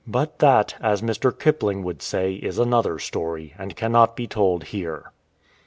But that, as Mr. Kipling would say, is another story, and cannot be told here.